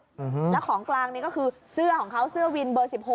และของกลางนี้ก็คือเสื้อของเขาเสื้อวินเบอร์๑๖